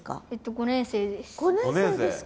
５年生ですか。